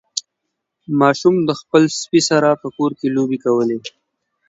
ماشوم د خپل سپي سره په کور کې لوبې کولې.